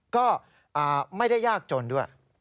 ก็ไม่ได้ยากจนด้วย